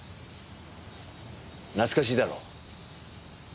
懐かしいだろ？